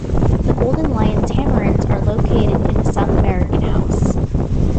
The golden lion tamarins are located in the South American house.